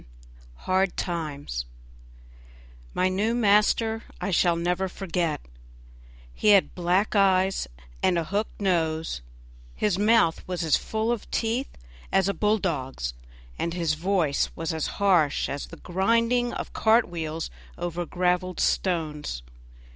47 Hard Times My new master I shall never forget; he had black eyes and a hooked nose, his mouth was as full of teeth as a bull dog's, and his voice was as harsh as the grinding of cart wheels over graveled stones.